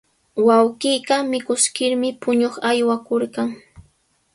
Wawqiiqa mikuskirmi puñuq aywakurqan.